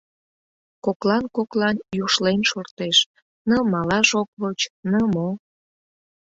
Коклан-коклан юшлен шортеш, ны малаш ок воч, ны мо...